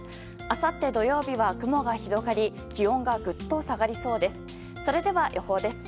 あさって土曜日は雲が広がり気温が、ぐっと下がりそうです。